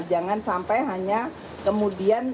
jangan sampai hanya kemudian